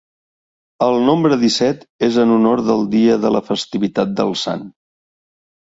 El nombre disset és en honor del dia de la festivitat del Sant.